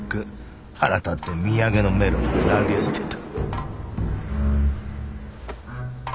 腹立って土産のメロンは投げ捨てた」。